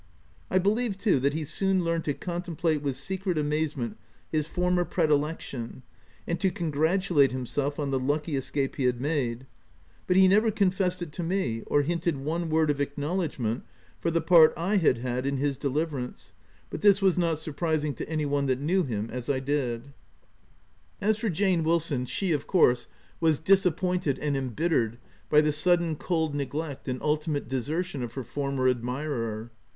I believe, too, that he soon learned to contemplate with secret amazement his former predilection, and to congratulate himself on the lucky escape he had made ; but he never confessed it to me, or hinted one word of acknowledgment for the part I had had in his deliverance — but this was not surprising to any one that knew him as I did. 184 THE TENANT As for Jane Wilson, she, of course, was dis appointed and embittered by the sudden cold neglect, and ultimate desertion of her former admirer.